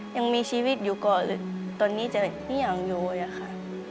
ยังมีชีวิตอยู่ก่อนตอนนี้จะไม่อยากอยู่อะค่ะ